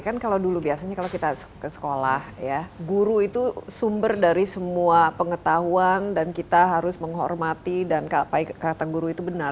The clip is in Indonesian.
kan kalau dulu biasanya kalau kita ke sekolah ya guru itu sumber dari semua pengetahuan dan kita harus menghormati dan kata guru itu benar